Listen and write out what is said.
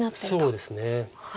そうですね。